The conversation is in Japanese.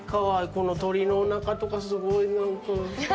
この鳥のおなかとかすごいなんか。